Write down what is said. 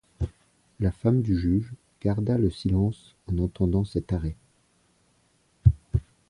La femme du juge garda le silence en entendant cet arrêt.